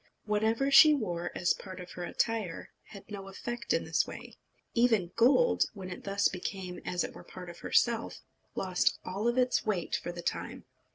Whatever she wore as part of her attire had no effect in this way. Even gold, when it thus became as it were a part of herself, lost all its weight for the time.